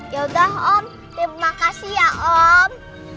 yaudah om terima kasih ya om